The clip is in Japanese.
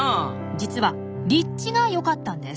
実は立地がよかったんです。